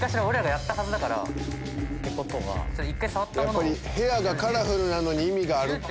やっぱり部屋がカラフルなのに意味があるって。